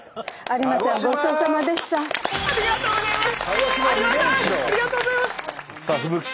ありがとうございます！